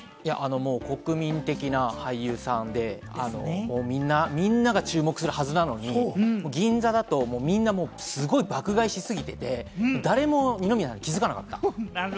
国民的な俳優さんで、みんなが注目するはずなのに、銀座だと、みんなすごい爆買いしすぎてて、誰も二宮さんに気づかなかった。